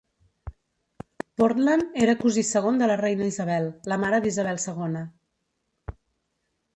Portland era cosí segon de la reina Isabel, la mare d'Isabel II.